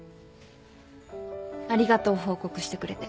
ありがとう報告してくれて